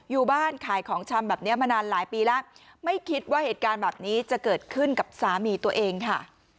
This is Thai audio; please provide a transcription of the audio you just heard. อยู่บ้านขายของชำแบบนี้มานานหลายปีแล้วไม่คิดว่าเหตุการณ์แบบนี้จะเกิดขึ้นกับสามีตัวเองค่ะ